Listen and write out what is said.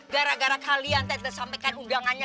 gara gara kalian teh tersampaikan undangannya